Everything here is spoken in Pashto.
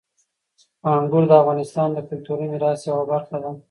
انګور د افغانستان د کلتوري میراث یوه برخه ده.